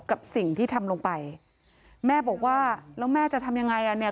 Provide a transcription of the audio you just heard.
กับสิ่งที่ทำลงไปแม่บอกว่าแล้วแม่จะทำอย่างไร